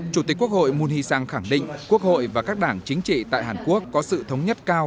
chủ tịch quốc hội moon hee sang khẳng định quốc hội và các đảng chính trị tại hàn quốc có sự thống nhất cao